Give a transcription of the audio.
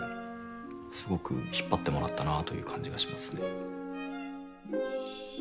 すごく引っ張ってもらったなという感じがしますね。